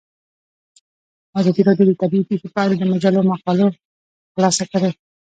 ازادي راډیو د طبیعي پېښې په اړه د مجلو مقالو خلاصه کړې.